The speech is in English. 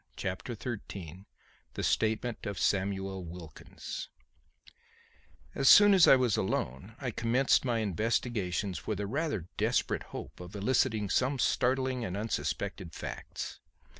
Chapter XIII The Statement of Samuel Wilkins As soon as I was alone, I commenced my investigations with a rather desperate hope of eliciting some startling and unsuspected facts.